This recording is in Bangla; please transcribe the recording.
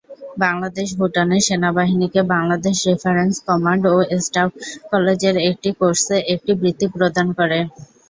বাংলাদেশ ভুটানের সেনাবাহিনীকে বাংলাদেশ রেফারেন্স কমান্ড ও স্টাফ কলেজের একটি কোর্সে একটি বৃত্তি প্রদান করে।